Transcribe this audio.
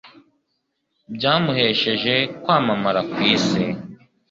byamuhesheje kwamamara ku isi